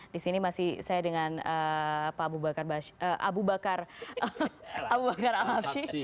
di sini masih saya dengan pak abu bakar al absyiz